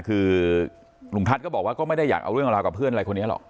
คือลุงทัศน์ก็บอกว่าก็ไม่ได้อยากเอาเรื่องราวกับเพื่อนอะไรคนนี้หรอก